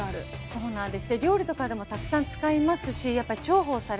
そうなんです。